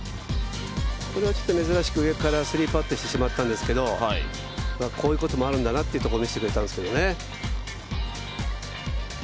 これは珍しく上から３パットしてしまったんですけれども、こういうこともあるんだなというところを見せてくれたんですけどね。